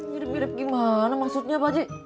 mirip mirip gimana maksudnya pak j